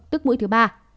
tức mũi thứ ba